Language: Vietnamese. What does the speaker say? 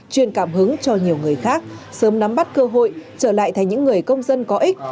truyền cảm hứng cho nhiều người khác sớm nắm bắt cơ hội trở lại thành những người công dân có ích